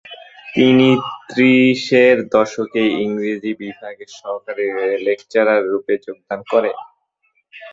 তিনি ত্রিশের দশকে ইংরেজি বিভাগের সহকারী লেকচারার রুপে যোগদান করেন।